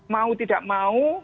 mau tidak mau